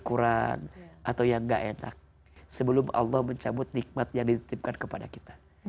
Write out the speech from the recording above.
kurang atau yang gak enak sebelum allah mencabut nikmat yang dititipkan kepada kita